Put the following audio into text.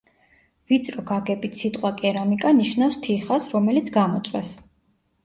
ვიწრო გაგებით სიტყვა კერამიკა ნიშნავს თიხას, რომელიც გამოწვეს.